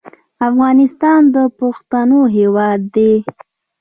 افغانستان د پښتنو هېواد دی.